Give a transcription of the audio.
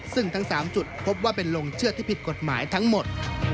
ซึ่งทั้ง๓จุดพบว่าเป็นลงเชื่อที่ผิดกฎหมายทั้งหมด